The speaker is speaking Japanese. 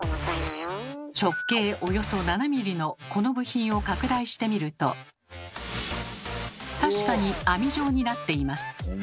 直径およそ７ｍｍのこの部品を拡大してみると確かに網状になっています。